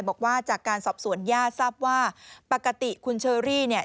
บอกว่าจากการสอบสวนญาติทราบว่าปกติคุณเชอรี่เนี่ย